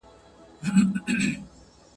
د کتابونو لوستل د انسان شعور لوړوي.